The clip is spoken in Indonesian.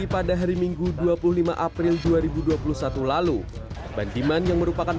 pembacaan dakwaan na